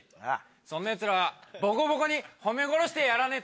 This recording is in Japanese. そんなヤツらはボコボコに褒め殺してやらねえとな。